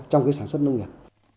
trong sản xuất nông nghiệp